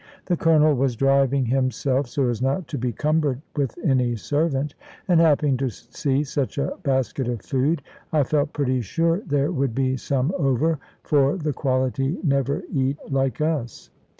The Colonel was driving himself, so as not to be cumbered with any servant; and happening to see such a basket of food, I felt pretty sure there would be some over, for the quality never eat like us.